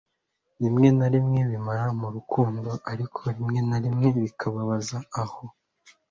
rimwe na rimwe bimara mu rukundo ariko rimwe na rimwe bikababaza aho